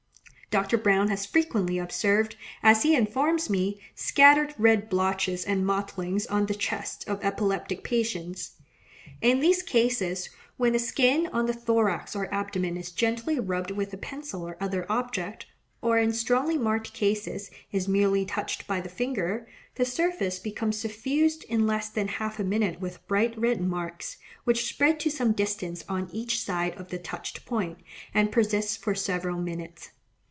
Dr. Browne has frequently observed, as he informs me, scattered red blotches and mottlings on the chests of epileptic patients. In these cases, when the skin on the thorax or abdomen is gently rubbed with a pencil or other object, or, in strongly marked cases, is merely touched by the finger, the surface becomes suffused in less than half a minute with bright red marks, which spread to some distance on each side of the touched point, and persist for several minutes.